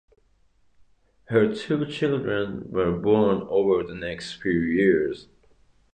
Her two children were born over the next few years.